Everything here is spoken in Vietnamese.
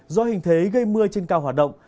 do hình thế gây mưa trên cao hoạt động